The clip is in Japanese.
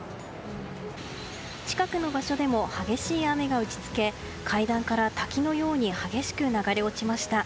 近くの場所でも激しい雨が打ち付け階段から滝のように激しく流れ落ちました。